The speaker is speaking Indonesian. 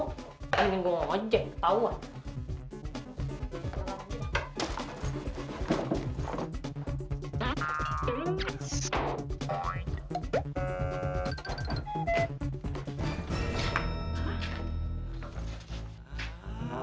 kan bingung aja tauan